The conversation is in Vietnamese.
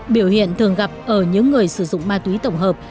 biểu hiện thường gặp ở những người sử dụng ma túy tổng hợp